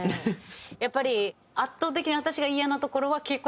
やっぱり圧倒的に私がイヤなところは。